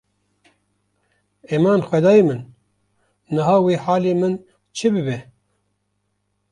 Eman, Xwedayê min! Niha wê halê min çi bibe?